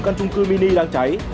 căn trung cư mini đang cháy